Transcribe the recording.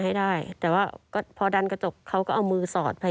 ทีนี้ก็เลยดันจนเขาชักมือออก